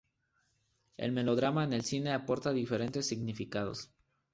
El melodrama en el cine aporta diferentes significados.